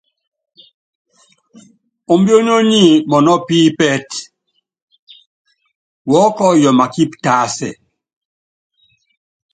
Ombiónyó nyi mɔnɔ́ upípɛtɛ, utiŋe makípi tásɛ.